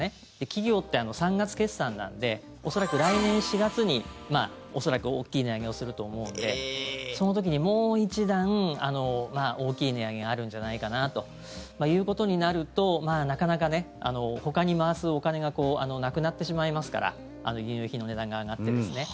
企業って３月決算なので恐らく、来年４月に恐らく大きい値上げをすると思うのでその時にもう一段、大きい値上げがあるんじゃないかなということになるとなかなか、ほかに回すお金がなくなってしまいますから輸入品の値段が上がってですね